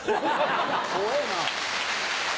怖えぇな！